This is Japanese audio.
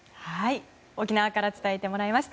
沖縄から伝えてもらいました。